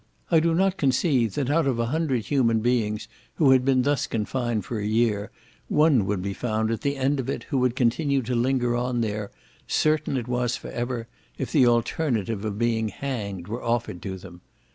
I do not conceive, that out of a hundred human beings who had been thus confined for a year, one would be found at the end of it who would continue to linger on there, certain it was for ever, if the alternative of being hanged were offered to them.